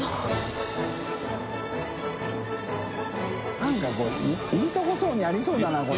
覆鵑こういいとこそうにありそうだなこれ。